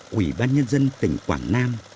quỷ ban nhân dân tỉnh quảng nam